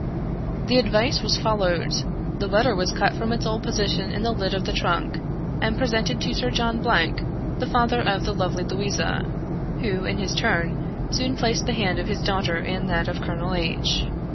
The advice was followed. The letter was cut from its old position in the lid of the trunk, and presented to Sir John Blank, the father of the lovely Louisa, who, in his turn, soon placed the hand of his daughter in that of Colonel H